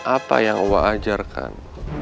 apa yang gua ajarkan